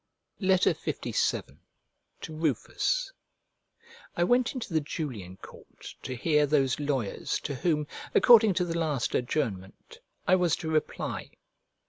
LVII To RUFUS I WENT into the Julian court to hear those lawyers to whom, according to the last adjournment, I was to reply.